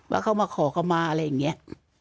ว่าเขามาขอกลัวมาอะไรอย่างเงี้ย